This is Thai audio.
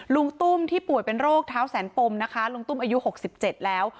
ลุงตุ้มที่ป่วยเป็นโรคเท้าแสนปมนะคะลุงตุ้มอายุ๖๗แล้ว